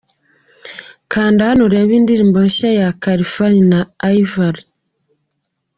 Kanda Hano urebe indirimbo nshya ya Khalfan na Yverry.